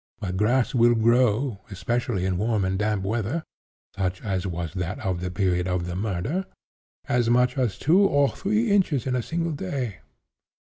But grass will grow, especially in warm and damp weather, (such as was that of the period of the murder,) as much as two or three inches in a single day.